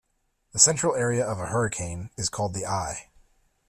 The central area of a hurricane is called the eye